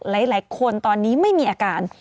หลายคนตอนนี้ไม่มีอาการ